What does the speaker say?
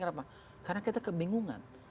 kenapa karena kita kebingungan